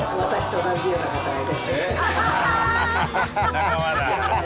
仲間だ。